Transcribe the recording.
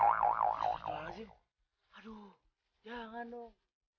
aduh jangan dong